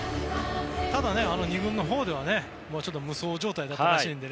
ただ、２軍のほうでは無双状態だったらしいので。